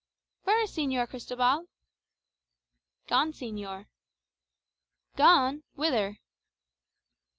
"Where is Señor Cristobal?" "Gone, señor." "Gone! whither?"